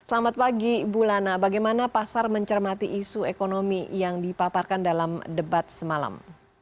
selamat pagi ibu lana bagaimana pasar mencermati isu ekonomi yang dipaparkan dalam debat semalam